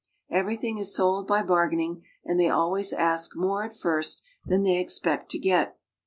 Everything is sold by bargaining, and they always ask more at first than they e.xpect to get.